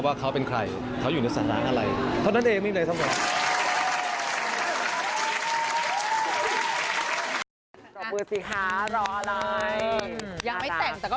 ให้เมียในอนาคต